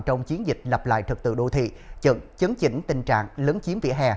trong chiến dịch lặp lại trật tự đô thị chấn chỉnh tình trạng lấn chiếm vỉa hè